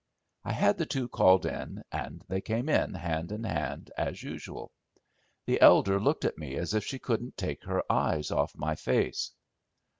I had the two called in, and they came hand in hand as usual. The elder looked at me as if she couldn't take her eyes off my face.